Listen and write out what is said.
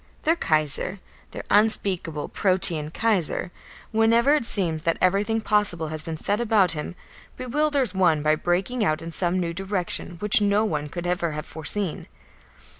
Their Kaiser, their unspeakable, Protean Kaiser, whenever it seems that everything possible has been said about him, bewilders one by breaking out in some new direction which no one could ever have foreseen.